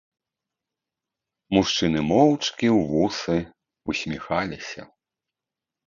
Мужчыны моўчкі ў вусы ўсміхаліся.